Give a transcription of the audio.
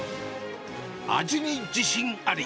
味に自信あり。